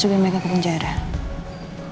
nanti semua orang yang menangis akan menangis